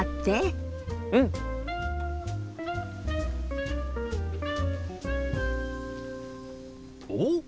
うん！おっ！